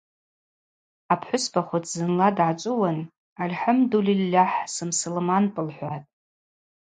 Апхӏвыспахвыц зынла дгӏачӏвыуын: Альхӏымдульиллахӏ, сымсылманпӏ, – лхӏватӏ.